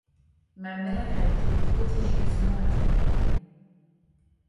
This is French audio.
Ma mère a été prodigieusement admirée.